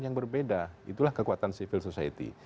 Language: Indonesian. yang berbeda itulah kekuatan civil society